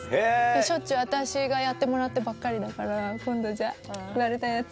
しょっちゅう私がやってもらってばっかりだから今度じゃあ割れたやつ。